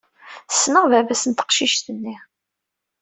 Sneɣ bab-s n teqcict-nni.